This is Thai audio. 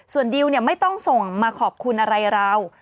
ส่วนดิวไม่ต้องส่งมาขอบคุณอะไรเรา